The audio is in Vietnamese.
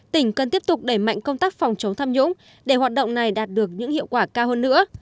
tỉnh cần tiếp tục đẩy mạnh công tác phòng chống tham nhũng để hoạt động này đạt được những hiệu quả cao hơn nữa